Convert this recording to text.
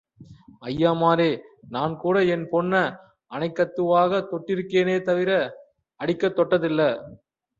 அய்யாமாரே... நான் கூட என் பொண்ண அணைக்கதுக்காவ தொட்டிருக்கேனே தவிர அடிக்கத் தொட்டதுல்ல.